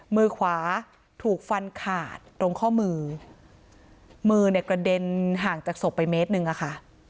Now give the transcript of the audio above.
มือขวาถูกฟันขาดตรงข้อมือมือมือเนี่ยกระเด็นห่างจากศพไปเมตรหนึ่งอะค่ะ